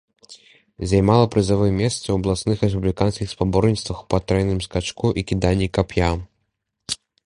Займала прызавыя месцы ў абласных і рэспубліканскіх спаборніцтвах па трайным скачку і кіданні кап'я.